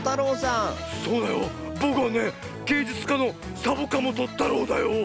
そうだよ。ぼくはねげいじゅつかのサボかもとたろうだよ。